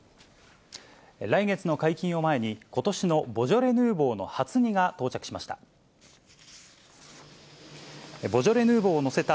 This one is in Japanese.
来月の解禁を前に、ことしのボジョレ・ヌーボーの初荷が到着しました。